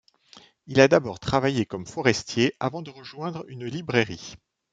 Il a d’abord travaillé comme forestier avant de rejoindre une librairie.